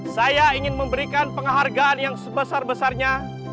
saya ingin memberikan penghargaan yang sebesar besarnya